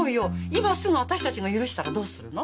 今すぐ私たちが許したらどうするの？